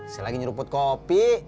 selagi nyeruput kopi